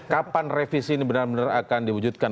kapan revisi ini benar benar akan diwujudkan